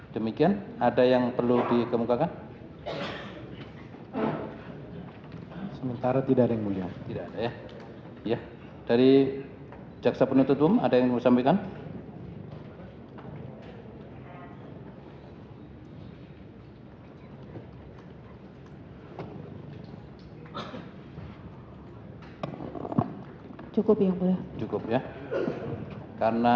demikian ada yang perlu dikemukakan